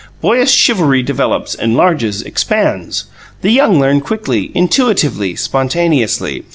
Boyish chivalry develops, enlarges, expands. The young learn quickly, intuitively, spontaneously.